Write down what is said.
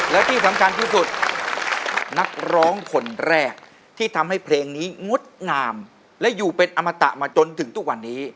และที่สำคัญที่สุดนักร้องคนแรกที่ทำให้เพลงนี้งดงามและอยู่เป็นอมตะมาจนถึงทุกวันนี้